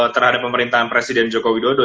terhadap pemerintahan presiden joko widodo